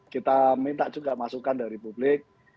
kita minta juga masukan dari publik